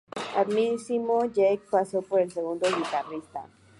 Asimismo, Jake pasó a ser el segundo guitarrista.